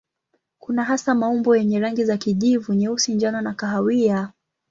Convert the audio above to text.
Kuna hasa maumbo yenye rangi za kijivu, nyeusi, njano na kahawia.